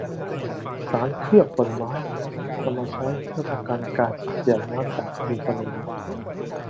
สารเคลือบผลไม้นำมาใช้เพื่อป้องกันการสูญเสียน้ำจากผิวผลไม้